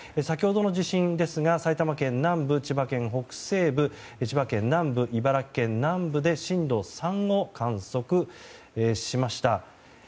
先ほどの地震ですが埼玉県南部、千葉県北西部千葉県南部、茨城県南部で震度３を観測しました。